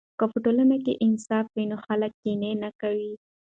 که په ټولنه کې انصاف وي نو خلک کینه نه کوي.